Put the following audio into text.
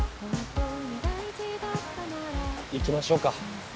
行きましょうか。